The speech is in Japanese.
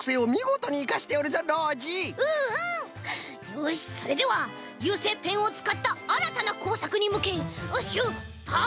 よしそれでは油性ペンをつかったあらたなこうさくにむけしゅっぱつ！